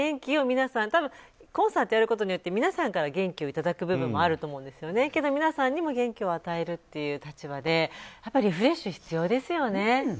たぶんコンサートをやることによって皆さんから元気をいただく部分もあると思うんですけど皆さんにも元気を与える立場でリフレッシュ必要ですよね。